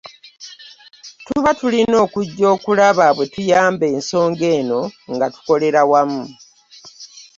Tuba tulina okujja okulaba bwetuyamab ensonga eno nga tukolera wamu